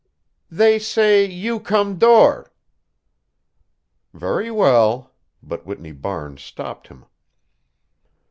"They say you come door." "Very well," but Whitney Barnes stopped him.